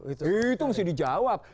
itu mesti dijawab